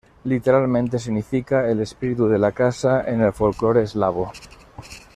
Literalmente significa el espíritu de la casa en el folclore eslavo.